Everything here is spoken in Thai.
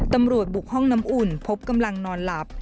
บุกห้องน้ำอุ่นพบกำลังนอนหลับ